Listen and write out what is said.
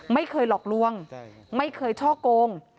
ไม่เคยหลอกลวงไม่เคยช่อกง